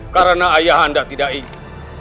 karena ayahanda tidak ingin